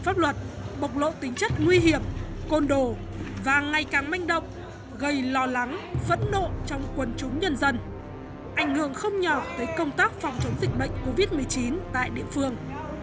pháp luật bộc lộ tính chất nguy hiểm côn đồ và ngày càng manh động gây lo lắng phẫn nộ trong quân chúng nhân dân ảnh hưởng không nhỏ tới công tác phòng chống dịch bệnh covid một mươi chín tại địa phương